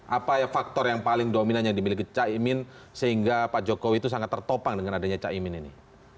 apa faktor yang paling dominan yang dimiliki caimin sehingga pak jokowi itu sangat tertopang dengan adanya caimin ini